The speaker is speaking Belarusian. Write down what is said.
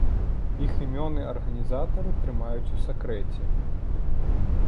Іх імёны арганізатары трымаюць у сакрэце.